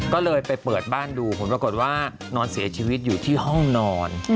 ก็เลยไปเปิดบ้านดูผลปรากฏว่านอนเสียชีวิตอยู่ที่ห้องนอน